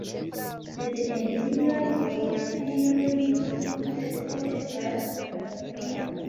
Sed en lia geometrio tiu kurbeco estas negativa.